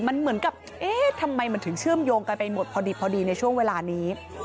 มันเหมือนกับเอ๊ะทำไมมันถึงเชื่อมโยงกันไปหมดพอดีในช่วงเวลานี้